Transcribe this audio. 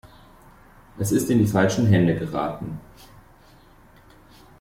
Es ist in die falschen Hände geraten.